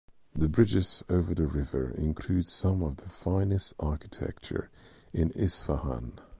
The bridges over the river include some of the finest architecture in Isfahan.